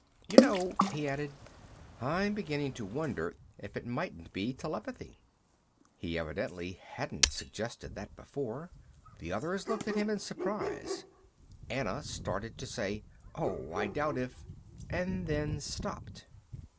"You know," he added, "I'm beginning to wonder if it mightn't be telepathy." He evidently hadn't suggested that before. The others looked at him in surprise. Anna started to say, "Oh, I doubt if " and then stopped.